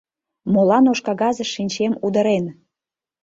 Молан ош кагазыш шинчем удырен